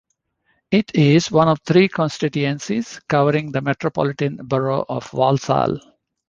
It is one of three constituencies covering the Metropolitan Borough of Walsall.